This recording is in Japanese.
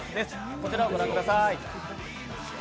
こちらをご覧ください。